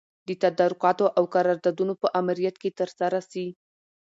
د تدارکاتو او قراردادونو په امریت کي ترسره سي.